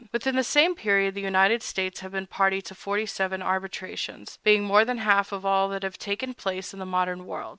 Within the same period the United States have been a party to forty seven arbitrations—being more than half of all that have taken place in the modern world.